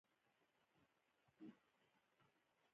کهکشانونه د ستورو د کورونو مجموعه ده.